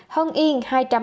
hân yên hai trăm hai mươi